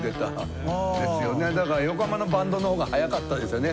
だから横浜のバンドのほうが早かったですよね。